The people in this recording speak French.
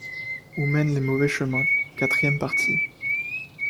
Où mènent les mauvais chemins Quatrième partie.